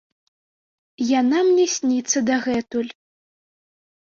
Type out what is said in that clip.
Яна мне сніцца дагэтуль.